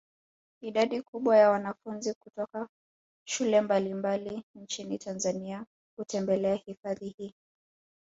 Idadi kubwa ya wanafunzi kutoka shule mbalimbali nchini Tanzania hutembelea hifadhi hii